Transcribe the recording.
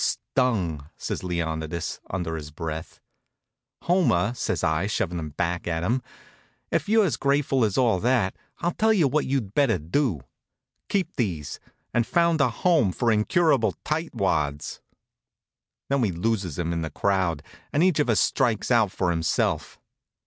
"Stung!" says Leonidas, under his breath. "Homer," says I, shovin' 'em back at him, "if you're as grateful as all that, I'll tell you what you'd better do keep these, and found a Home for Incurable Tight wads." Then we loses him in the crowd, and each of us strikes out for himself.